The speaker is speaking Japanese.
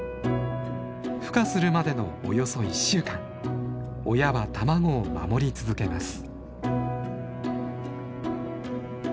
ふ化するまでのおよそ１週間親は卵を守り続けます。